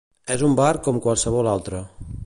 És un bar com qualsevol altre.